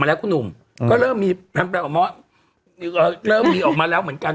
แต่แต่ละที่อย่างงี้มเนี่ยเขาก็เริ่มมีออกมาแล้วคุณหนุ่ม